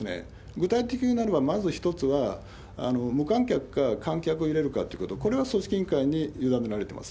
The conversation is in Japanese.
具体的になれば、まず一つは、無観客か観客を入れるかってこと、これは組織委員会に委ねられてます。